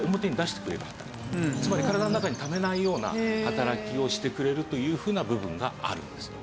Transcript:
つまり体の中にためないような働きをしてくれるというふうな部分があるんです。